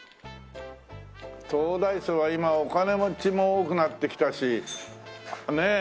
東大生は今お金持ちも多くなってきたしねえ。